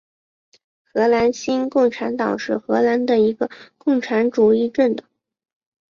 荷兰新共产党是荷兰的一个共产主义政党。